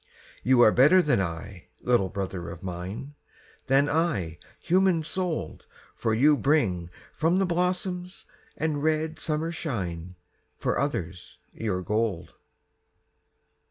You are better than I, little brother of mine, Than I, human souled, For you bring from the blossoms and red summer shine, For others, your gold.